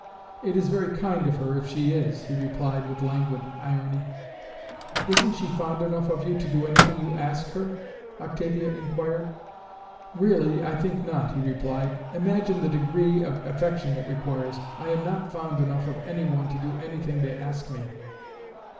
"It is very kind of her, if she is," he replied with languid irony. "Isn't she fond enough of you to do any thing you ask her?" Octavia inquired. "Really, I think not," he replied. "Imagine the degree of affection it requires! I am not fond enough of any one to do any thing they ask me."